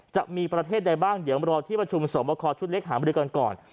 จะมีประเทศใดบ้างเดี๋ยวรอที่ประชุมสอบคอชุดเล็กหามรือกันก่อน